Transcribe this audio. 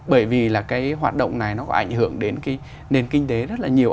bởi vì là cái hoạt động này nó có ảnh hưởng đến cái nền kinh tế rất là nhiều